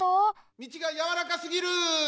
みちがやわらかすぎる！